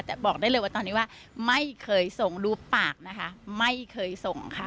แต่บอกได้เลยว่าตอนนี้ว่าไม่เคยส่งรูปปากนะคะไม่เคยส่งค่ะ